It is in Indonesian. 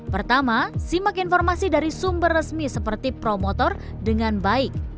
pertama simak informasi dari sumber resmi seperti promotor dengan baik